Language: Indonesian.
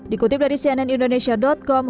dikutip dari cnn indonesia com